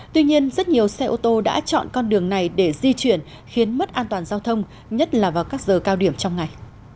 tuy nhiên rất nhiều xe ô tô đã chọn con đường này để di chuyển khiến mất an toàn giao thông nhất là vào các giờ cao điểm trong ngày